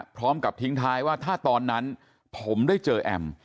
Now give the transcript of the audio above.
พร้อมกับทิ้งท้ายว่าถ้าตอนนั้นผมได้เจอแอม